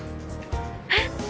えっ？